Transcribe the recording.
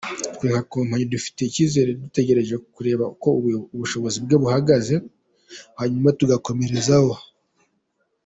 Twe nka Kompanyi dufite icyizere, dutegereje kureba uko ubushobozi bwe buhagaze hanyuma tugakomerezaho.